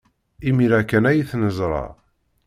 Imir-a kan ay t-neẓra.